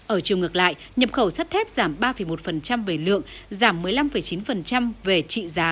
ở chiều ngược lại nhập khẩu sắt thép giảm ba một về lượng giảm một mươi năm chín về trị giá